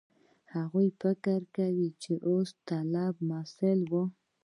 هغې فکر کاوه چې اوس به د طب محصله وه